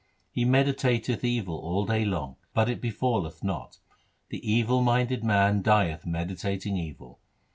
He meditateth evil all day long, but it befalleth not ; the evil minded man dieth meditating evil.